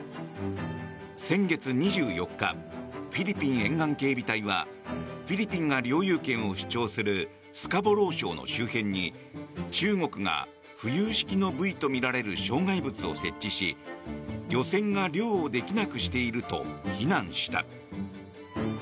先月２４日フィリピン沿岸警備隊はフィリピンが領有権を主張するスカボロー礁の周辺に中国が浮遊式のブイとみられる障害物を設置し漁船が漁をできなくしていると非難した。